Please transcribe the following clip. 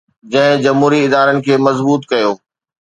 جنهن جمهوري ادارن کي مضبوط ڪيو